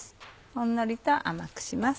ほんのりと甘くします。